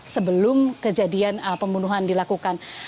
sebelum kejadian pembunuhan dilakukan